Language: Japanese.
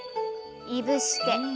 いぶして。